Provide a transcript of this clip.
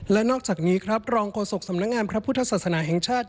และนอกจากนี้ครับรองโฆษกสำนักงานพระพุทธศาสนาแห่งชาติ